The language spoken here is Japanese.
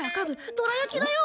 どら焼きだよ！